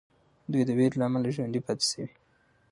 دوی د ویرې له امله ژوندي پاتې سوي.